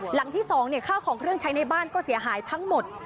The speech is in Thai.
หลังที่๒ข้าวของเครื่องใช้ในบ้านก็เสียหายทั้งหมด